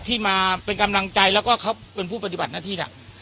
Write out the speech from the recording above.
ที่มาเป็นกำลังใจแล้วก็เขาเป็นผู้ปฏิบัติหน้าที่เนี่ย